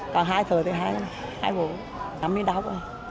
còn hai thợ thì hai bộ năm một mươi đô